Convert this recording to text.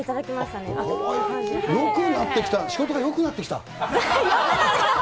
よくなってきた、仕事がよくなってきた。